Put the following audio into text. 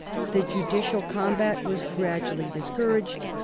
The judicial combat was gradually discouraged.